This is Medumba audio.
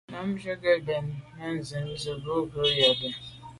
Mɛ̀ntchìn gə̀ rə̌ nə̀ bə́ mɛ̀ntchìn á bû jû zə̄ à rə̂.